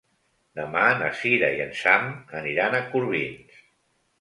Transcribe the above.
Demà na Sira i en Sam aniran a Corbins.